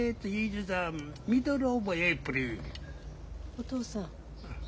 お義父さん。